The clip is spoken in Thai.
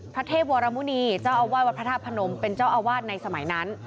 เทพวรมุณีเจ้าอาวาสวัดพระธาตุพนมเป็นเจ้าอาวาสในสมัยนั้น